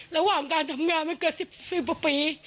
ระหว่างการทำงานไม่เกิน๑๐กว่าปี